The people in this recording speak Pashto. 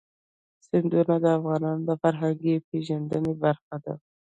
سیندونه د افغانانو د فرهنګي پیژندنې برخه ده.